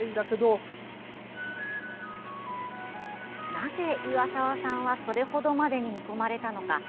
なぜ岩沢さんはそれほどまでに見込まれたのか。